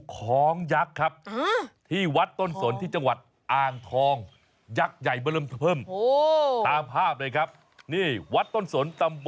เล็กมากใหญ่คุณชนะค่ะ